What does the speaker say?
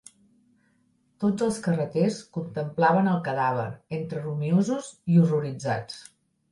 Tots els carreters contemplaven el cadàver, entre rumiosos i horroritzats.